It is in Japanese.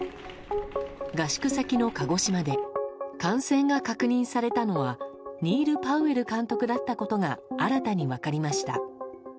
合宿先の鹿児島で感染が確認されたのはニール・パウエル監督だったことが新たに分かりました。